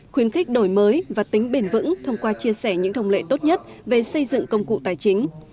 khuyến khích đổi mới và tính bền vững thông qua chia sẻ những thông lệ tốt nhất về xây dựng công cụ tài chính